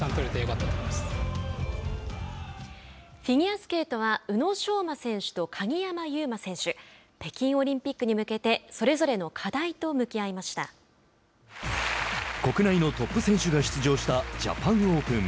フィギュアスケートは宇野昌磨選手と鍵山優真選手北京オリンピックに向けてそれぞれの課題と国内のトップ選手が出場したジャパンオープン。